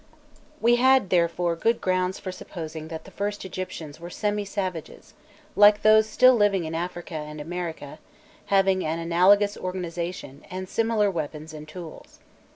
We had, therefore, good grounds for supposing that the first Egyptians were semi savages, like those still living in Africa and America, having an analogous organization, and similar weapons and tools.